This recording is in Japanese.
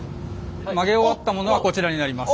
曲げ終わったものがこちらになります。